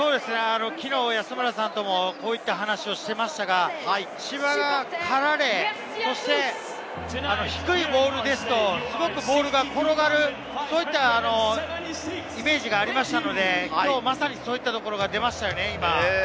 きのう安村さんともこういった話をしていたんですが、芝が刈られて、低いボールですと、よくボールが転がる、そういったイメージがありましたので、まさにそういったところが出ましたね、今。